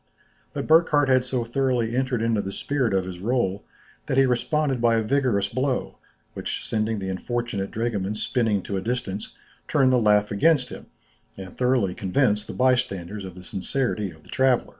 But Burckhardt had so thoroughly entered into the spirit of his rôle, that he responded by a vigorous blow, which sending the unfortunate dragoman spinning to a distance, turned the laugh against him, and thoroughly convinced the bystanders of the sincerity of the traveller.